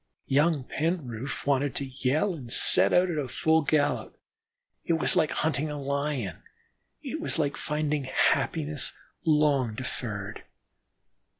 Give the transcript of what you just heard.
Young Penroof wanted to yell and set out at full gallop. It was like hunting a Lion; it was like finding happiness long deferred.